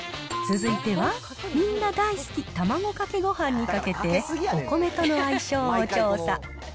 続いては、みんな大好き、卵かけごはんにかけて、お米との相性を調査。